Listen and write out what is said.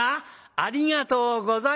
ありがとうございます。